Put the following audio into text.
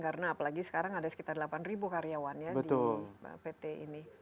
karena apalagi sekarang ada sekitar delapan ribu karyawan ya di pt ini